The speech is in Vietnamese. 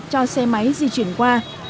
còn một lối nhỏ cho xe máy di chuyển qua